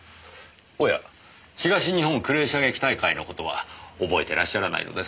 おや東日本クレー射撃大会の事は覚えてらっしゃらないのですか？